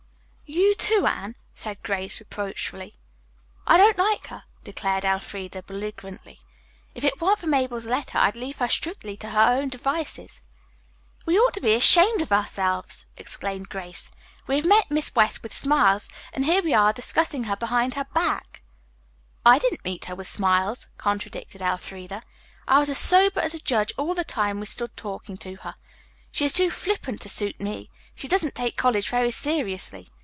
"You, too, Anne?" said Grace reproachfully. "I don't like her," declared Elfreda belligerently. "If it weren't for Mabel's letter I'd leave her strictly to her own devices." "We ought to be ashamed of ourselves!" exclaimed Grace. "We have met Miss West with smiles, and here we are discussing her behind her back." "I didn't meet her with smiles," contradicted Elfreda. "I was as sober as a judge all the time we stood talking to her. She is too flippant to suit me. She doesn't take college very seriously.